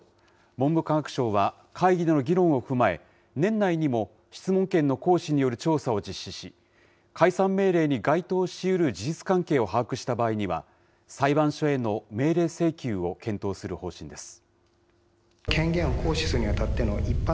文部科学省は、会議での議論を踏まえ、年内にも質問権の行使による調査を実施し、解散命令に該当しうる事実関係を把握した場合には、裁判所への命令請求を検討する方針です。